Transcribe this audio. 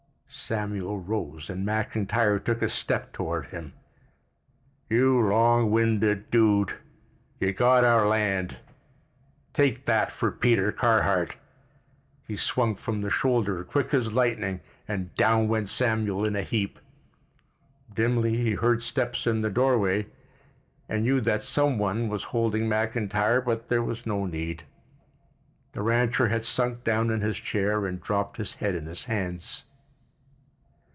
Samuel rose and McIntyre took a step toward him. "You long winded dude. You got our land—take that for Peter Carhart!" He swung from the shoulder quick as lightning and down went Samuel in a heap. Dimly he heard steps in the doorway and knew that some one was holding McIntyre, but there was no need. The rancher had sunk down in his chair, and dropped his head in his hands.